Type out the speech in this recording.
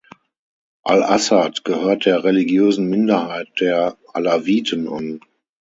Al-Assad gehört der religiösen Minderheit der Alawiten an.